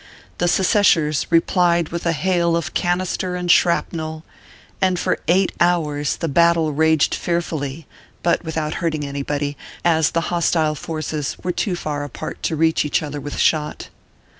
The secesh ers replied with a hail of canister and shrapnell, and for eight hours the battle raged fearfully, but without hurting anybody, as the hostile forces were too far apart to reach each other with shot.